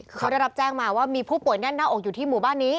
เขาได้รับแจ้งมาว่ามีผู้ป่วยแน่นหน้าอกอยู่ที่หมู่บ้านนี้